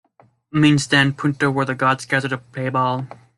Means then: Punta where the gods gather to play ball.